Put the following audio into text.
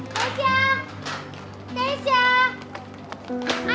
keisha kamu udah bangun